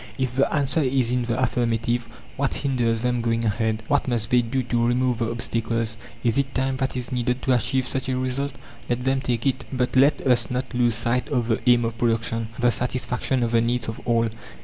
If the answer is in the affirmative, What hinders them going ahead? What must they do to remove the obstacles? Is it time that is needed to achieve such a result? Let them take it! But let us not lose sight of the aim of production the satisfaction of the needs of all.